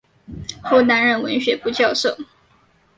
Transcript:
后担任文学部教授。